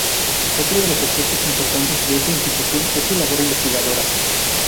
Otro de los aspectos importantes de esta institución es su labor investigadora.